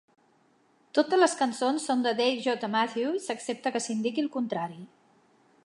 Totes les cançons són de Dave J. Matthews, excepte que s'indiqui el contrari.